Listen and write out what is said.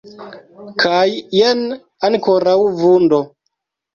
Kaj, jen, ankoraŭ vundo.